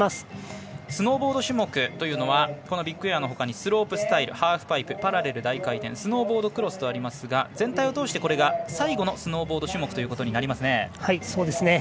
スノーボード種目というのはビッグエアのほかにスロープスタイルハーフパイプ、パラレル大回転スノーボードクロスとありますが全体を通してこれが最後のスノーボード種目ということになりますね。